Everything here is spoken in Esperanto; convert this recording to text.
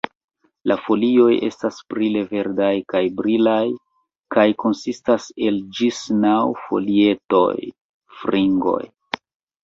La folioj estas brile verdaj kaj brilaj kaj konsistas el ĝis naŭ folietoj (fingroj).